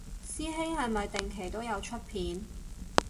師兄係咪定期都有出片